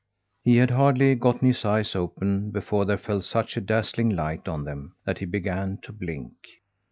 He had hardly gotten his eyes open before there fell such a dazzling light on them that he began to blink.